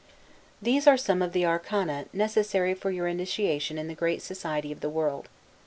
These are some of the arcana necessary for your initiation in the great society of the world.